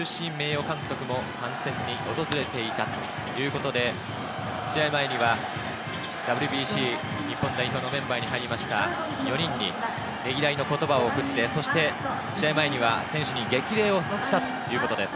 名誉監督も観戦に訪れていたということで、試合前にはＷＢＣ日本代表のメンバーに入りました４人にねぎらいの言葉を送って、そして試合前には選手に激励をしたということです。